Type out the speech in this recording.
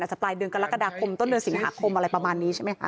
อาจจะปลายเรื่องการราชกราดาคมต้นเรือสิงหาคมอะไรประมาณนี้ใช่ไหมคะ